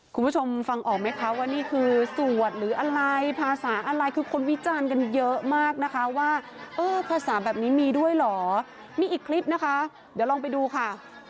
คุณผู้ชมฟังออกไหมคะว่านี่คือสวดหรืออะไรภาษาอะไรคือคนวิจารณ์กันเยอะมากนะคะว่าเออภาษาแบบนี้มีด้วยเหรอมีอีกคลิปนะคะเดี๋ยวลองไปดูค่ะ